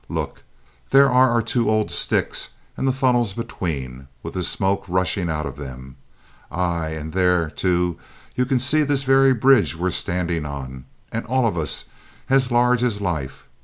Look, there are our two old sticks and the funnels between, with the smoke rushing out of them! Aye, and there, too, you can see this very bridge here we're standing on, and all of us, as large as life.